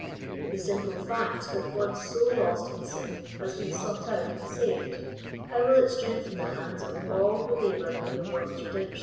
The simple fact that one so lost in sin has been sought out and saved, how will it strengthen the hands of all who labor for the world's redemp.